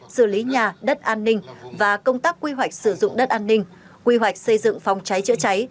xử lý nhà đất an ninh và công tác quy hoạch sử dụng đất an ninh quy hoạch xây dựng phòng cháy chữa cháy